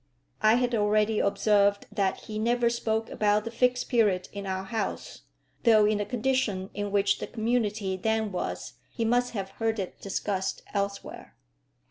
I had already observed that he never spoke about the Fixed Period in our house, though, in the condition in which the community then was, he must have heard it discussed elsewhere.